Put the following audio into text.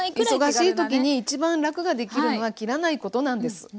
忙しい時に一番楽ができるのは切らないことなんです。